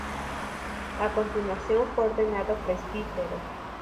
A continuación, fue ordenado presbítero.